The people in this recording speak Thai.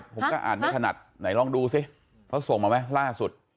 ผมก็อ่านไม่ถนัดไหนลองดูสิเขาส่งมาไหมล่าสุด